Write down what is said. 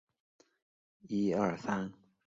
并且福尼也是尤文图斯战前最后一任队长。